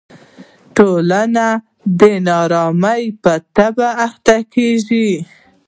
ټولنه د نا ارامۍ په تبه اخته کېږي.